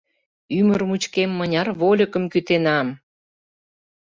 Ӱмыр мучкем мыняр вольыкым кӱтенам!